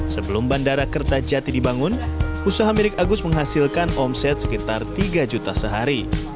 sebelum bandara kertajati dibangun usaha milik agus menghasilkan omset sekitar tiga juta sehari